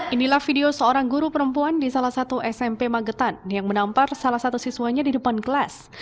inilah video seorang guru perempuan di salah satu smp magetan yang menampar salah satu siswanya di depan kelas